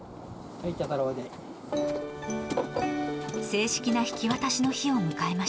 正式な引き渡しの日を迎えま